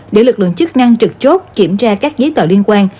để lực lượng chức năng trực chốt kiểm tra các giấy tờ liên quan